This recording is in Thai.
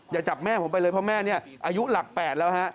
อย่าจับแม่ผมไปเลยเพราะแม่เนี่ยอายุหลัก๘แล้วฮะ